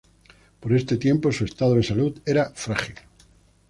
Por este tiempo su estado de salud era frágil.